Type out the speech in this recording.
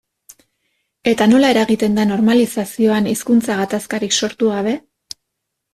Eta nola eragiten da normalizazioan hizkuntza gatazkarik sortu gabe?